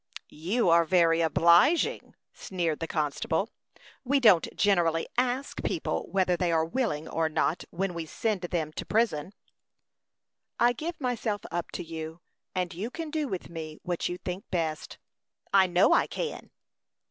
"You are very obliging," sneered the constable. "We don't generally ask people whether they are willing or not when we send them to prison." "I give myself up to you; and you can do with me what you think best." "I know I can."